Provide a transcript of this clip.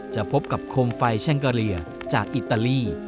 จะพบกับโคมไฟแช่งเกอเลียจากอิตาลี